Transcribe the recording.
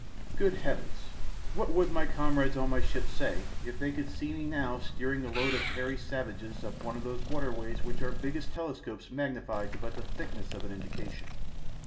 Good heavens, what would my comrades on my ship say if they could see me now steering a load of hairy savages up one of those waterways which our biggest telescopes magnify but to the thickness of an indication?